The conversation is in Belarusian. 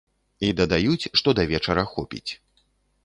І дадаюць, што да вечара хопіць.